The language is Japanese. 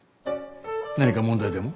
何か問題でも？